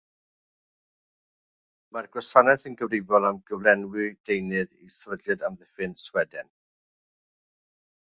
Mae'r asiantaeth yn gyfrifol am gyflenwi'r deunydd i sefydliad amddiffyn Sweden.